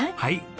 はい。